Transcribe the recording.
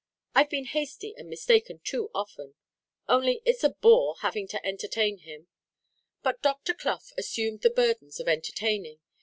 I've been hasty and mistaken too often; only it's a bore, having to entertain him." But Dr. Clough assumed the burdens of entertaining.